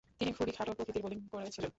তিনি খুবই খাঁটো প্রকৃতির বোলিং করেছিলেন।